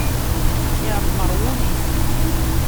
Iɛemmer wul-is.